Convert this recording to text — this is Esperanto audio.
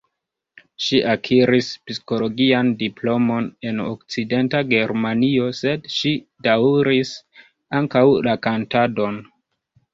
Ŝi akiris psikologian diplomon en Okcidenta Germanio, sed ŝi daŭris ankaŭ la kantadon.